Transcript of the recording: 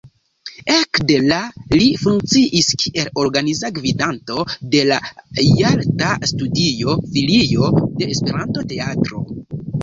Ekde la li funkciis kiel organiza gvidanto de la jalta studio–filio de Esperanto-teatro.